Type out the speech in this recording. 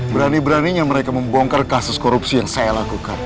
berani beraninya mereka membongkar kasus korupsi yang saya lakukan